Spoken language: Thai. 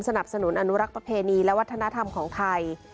สนับสนุนอนุรักษ์ประเพณีและวัฒนธรรมของไทย